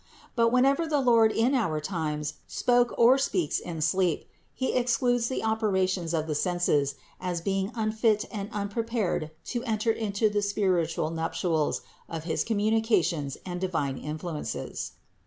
But whenever the Lord in our times spoke or speaks in sleep, He excludes the operations of the senses, as being unfit and unprepared to enter into the spiritual nuptials of his communications and divine influences.